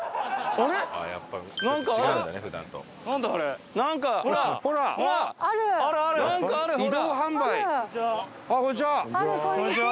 あっこんにちは！